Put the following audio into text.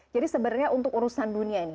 sebenarnya untuk urusan dunia ini